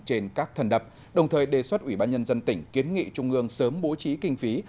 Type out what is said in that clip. trên các thần đập đồng thời đề xuất ủy ban nhân dân tỉnh kiến nghị trung ương sớm bố trí kinh phí